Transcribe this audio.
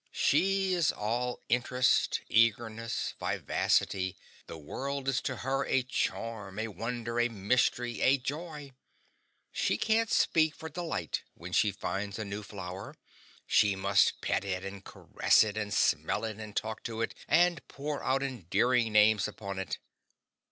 She is all interest, eagerness, vivacity, the world is to her a charm, a wonder, a mystery, a joy; she can't speak for delight when she finds a new flower, she must pet it and caress it and smell it and talk to it, and pour out endearing names upon it.